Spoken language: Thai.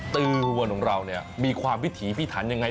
ตือหวนของเราเนี่ยมีความวิถีพิถันยังไง